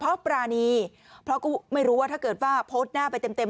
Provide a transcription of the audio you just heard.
เพราะปรานีเพราะก็ไม่รู้ว่าถ้าเกิดว่าโพสต์หน้าไปเต็มเต็ม